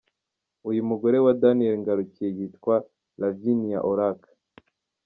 Uyu mugore wa Daniel Ngarukiye yitwa Lavinia Orac.